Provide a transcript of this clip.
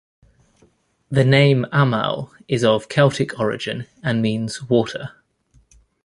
The name Amel is of Celtic origin and means water.